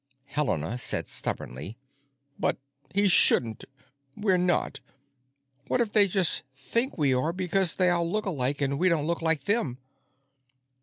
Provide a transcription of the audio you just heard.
Helena said stubbornly: "But he shouldn't. We're not. What if they just think we are because they all look alike and we don't look like them?"